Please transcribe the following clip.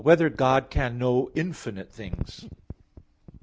12] Whether God Can Know Infinite Things?